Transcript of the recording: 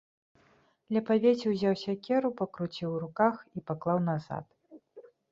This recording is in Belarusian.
Ля павеці ўзяў сякеру, пакруціў у руках і паклаў назад.